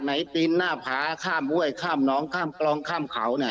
ไหนตีนหน้าผาข้ามอ้วยข้ามน้องข้ามกลองข้ามเขา